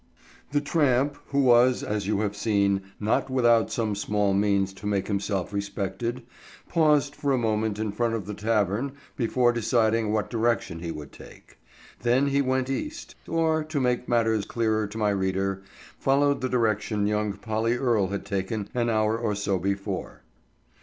THE tramp, who was, as you have seen, not without some small means to make himself respected, paused for a moment in front of the tavern before deciding what direction he would take. Then he went east, or, to make matters clearer to my reader, followed the direction young Polly Earle had taken an hour or so before.